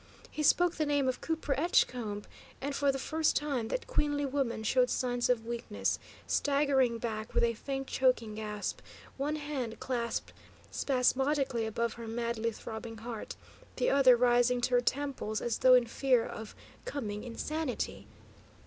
He spoke the name of Cooper Edgecombe, and for the first time that queenly woman showed signs of weakness, staggering back with a faint, choking gasp, one hand clasped spasmodically above her madly throbbing heart, the other rising to her temples as though in fear of coming insanity.